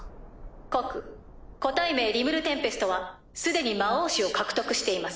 告個体名リムル＝テンペストは既に魔王種を獲得しています。